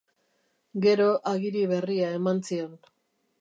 Gero agiri berria eman zion.